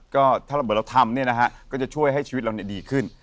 ก็ถ้าเราเหมือนเราทำเนี่ยนะฮะก็จะช่วยให้ชีวิตเราดีขึ้น